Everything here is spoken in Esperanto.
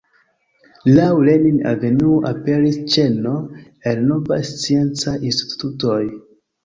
Laŭ Lenin-avenuo aperis ĉeno el novaj sciencaj institutoj.